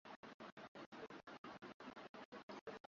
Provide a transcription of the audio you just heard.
ngana na mipango yake ya hapo awali